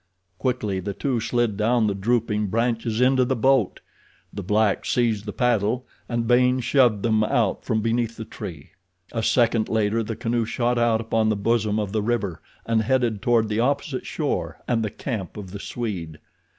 Quickly the two slid down the drooping branches into the boat. The black seized the paddle and Baynes shoved them out from beneath the tree. A second later the canoe shot out upon the bosom of the river and headed toward the opposite shore and the camp of the Swede.